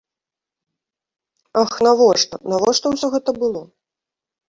Ах, навошта, навошта ўсё гэта было?